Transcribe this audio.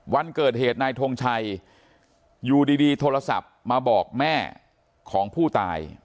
วันเกิดเหตุนายทงชัยอยู่ดีโทรศัพท์มาบอกแม่ของผู้ตาย